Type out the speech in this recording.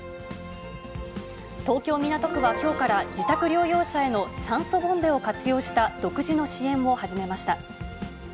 東京・港区はきょうから自宅療養者への酸素ボンベを活用した独自の支援を始めました。